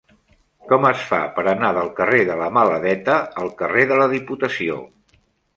Com es fa per anar del carrer de la Maladeta al carrer de la Diputació?